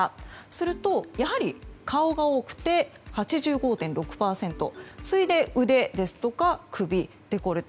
すると、やはり顔が多くて８５．６％。次いで、腕ですとか首・デコルテ。